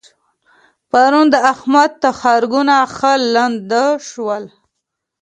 پرون د احمد تخرګونه ښه لانده شول.